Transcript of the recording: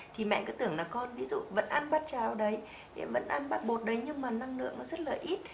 thì mẹ cứ tưởng là con ví dụ vẫn ăn bát cháo đấy vẫn ăn bát bột đấy nhưng mà năng lượng nó rất là ít